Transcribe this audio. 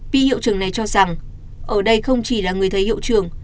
vi hiệu trưởng này cho rằng ở đây không chỉ là người thầy hiệu trưởng